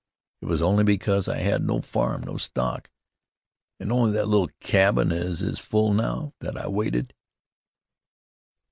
It was only because I had no farm, no stock, an' only that little cabin as is full now, that I waited."